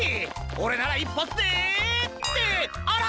オレならいっぱつでってあら？